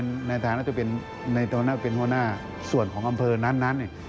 ในสถานีรายการเป็นหัวหน้าส่วนของอำเภอนั้น